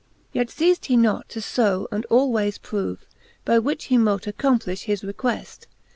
Yet ceaft he not to few, and all waics prove, By which he mote acccomplifh his requeft.